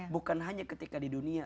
bukan hanya ketika di dunia